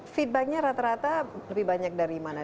feedbacknya rata rata lebih banyak dari mana